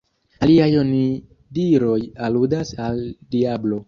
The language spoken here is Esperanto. Aliaj onidiroj aludas al diablo.